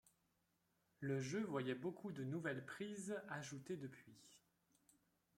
Le jeu voyait beaucoup de nouvelles prises ajoutées depuis '.